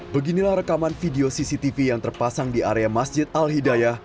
beginilah rekaman video cctv yang terpasang di area masjid al hidayah